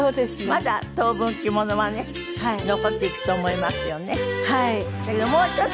まだ当分着物はね残っていくと思いますよね。